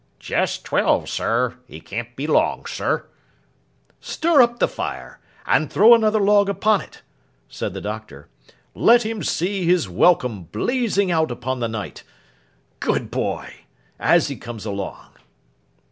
'Just twelve, sir. He can't be long, sir.' 'Stir up the fire, and throw another log upon it,' said the Doctor. 'Let him see his welcome blazing out upon the night—good boy!—as he comes along!